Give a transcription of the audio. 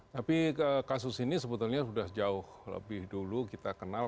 tapi kasus ini sebetulnya sudah jauh lebih dulu kita kenal